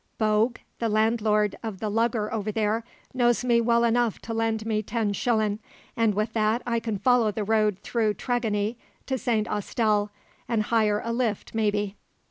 Bogue, the landlord of The Lugger over there, knows me well enough to lend me ten shillin', an' wi' that I can follow the road through Tregony to St. Austell, an' hire a lift maybe."